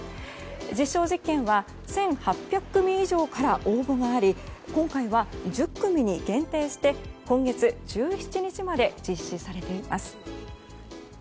実証実験は１８００組以上から応募があり今回は１０組に限定して今月１７日まで実施されています。